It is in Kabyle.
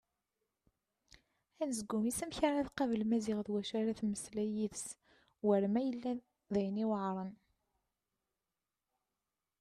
Anezgum-is amek ara tqabel Maziɣ d wacu ara temmeslay yid-s war ma yella-d wayen yuɛren.